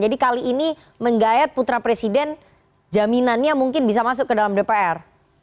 jadi kali ini menggayat putra presiden jaminannya mungkin bisa masuk ke dalam dpr